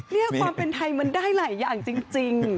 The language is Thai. นี่ความเป็นไทยมันได้หลายอย่างจริง